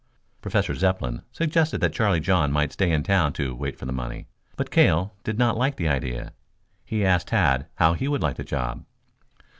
Professor Zepplin suggested that Charlie John might stay in town to wait for the money, but Cale did not like the idea. He asked Tad how he would like the job.